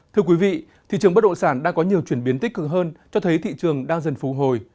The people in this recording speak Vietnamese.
thưa quý vị thị trường bất động sản đang có nhiều chuyển biến tích cực hơn cho thấy thị trường đang dần phù hồi